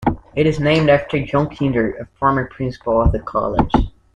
It is named after John Kinder, a former principal of the college.